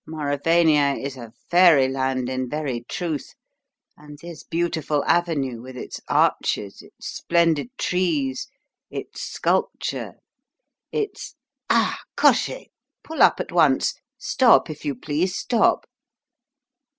Mauravania is a fairyland in very truth; and this beautiful avenue with its arches, its splendid trees, its sculpture, its Ah! cocher, pull up at once. Stop, if you please, stop!"